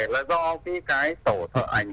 là do cái tổ ảnh